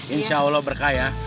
insya allah berkah ya